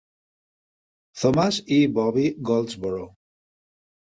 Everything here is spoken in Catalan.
Thomas i Bobby Goldsboro.